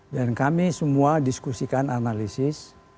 dan kami semua diskusikan analisis